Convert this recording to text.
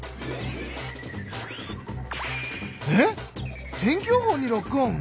えっ天気予報にロックオン！？